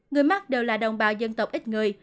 người mắc đều là đồng bào dân tộc ít người